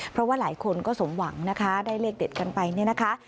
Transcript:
เพราะว่าหลายคนก็สมหวังนะคะได้เลขเด็ดกันไปเนี่ยนะคะ